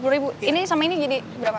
rp dua puluh ini sama ini jadi berapa